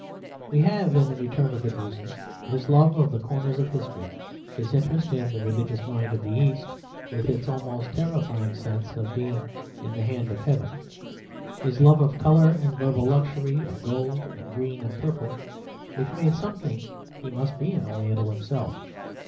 We have in The Return of the Druses his love of the corners of history, his interest in the religious mind of the East, with its almost terrifying sense of being in the hand of heaven, his love of colour and verbal luxury, of gold and green and purple, which made some think he must be an Oriental himself.